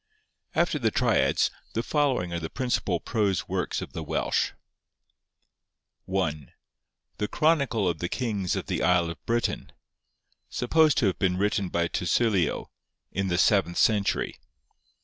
After the Triads, the following are the principal prose works of the Welsh:— 1. 'The Chronicle of the Kings of the Isle of Britain;' supposed to have been written by Tysilio, in the seventh century.